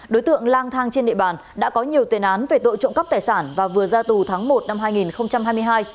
đối tượng lang thang trên địa bàn đã có nhiều tên án về tội trộm cắp tài sản và vừa ra tù tháng một năm hai nghìn hai mươi hai